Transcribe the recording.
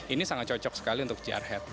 ini sangat cocok sekali untuk jenis muka yang oval